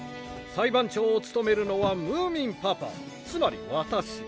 裁判長を務めるのはムーミンパパつまり私。